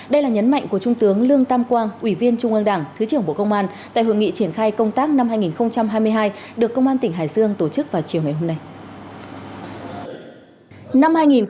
đây là nhấn mạnh của trung tướng lương tam quang ủy viên trung ương đảng thứ trưởng bộ công an tại hội nghị triển khai công tác năm hai nghìn hai mươi hai được công an tỉnh hải dương tổ chức vào chiều ngày hôm nay